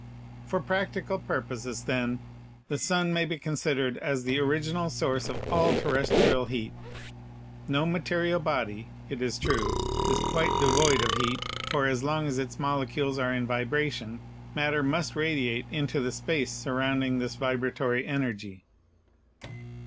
For practical purposes, then, the sun may be considered as the original source of all terrestrial heat. No material body, it is true, is quite devoid of heat, for as long as its molecules are in vibration, matter must radiate into the space surrounding this vibratory energy.